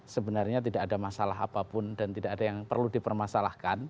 sebenarnya tidak ada masalah apapun dan tidak ada yang perlu dipermasalahkan